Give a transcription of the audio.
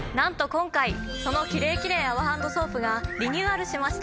今回そのキレイキレイ泡ハンドソープがリニューアルしました！